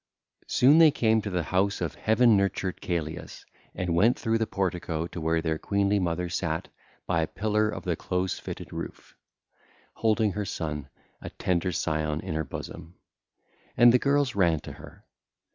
(ll. 184 211) Soon they came to the house of heaven nurtured Celeus and went through the portico to where their queenly mother sat by a pillar of the close fitted roof, holding her son, a tender scion, in her bosom. And the girls ran to her.